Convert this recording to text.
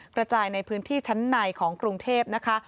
กระจายในพื้นที่ชั้นในของกรุงเทพนะคะ